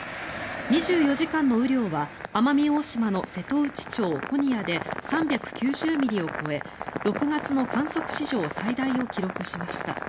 ２４時間の雨量は奄美大島の瀬戸内町古仁屋で３９０ミリを超え６月の観測史上最大を記録しました。